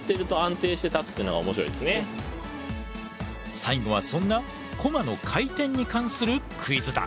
最後はそんなコマの回転に関するクイズだ。